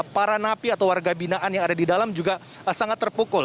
para napi atau warga binaan yang ada di dalam juga sangat terpukul